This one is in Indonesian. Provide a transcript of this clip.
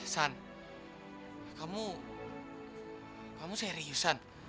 san kamu seriusan